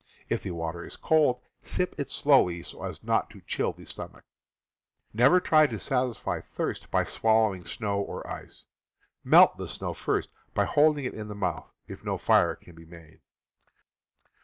If the water is cold, sip it slowly so as not to chill the stomach. Never try to satisfy thirst by swal lowing snow or ice; melt the snow first by holding it in the mouth, if no fire can be made.